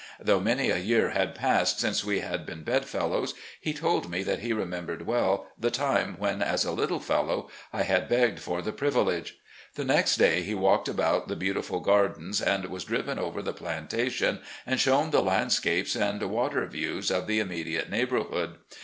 Though many a year had passed since we had been bedfellows, he told me that he remembered well the time when, as a little fellow, I had begged for this privilege. The next day he walked about the beautiful gardens, and was driven over the plantation and shown the landscapes and water views of the immediate neighboiirhood.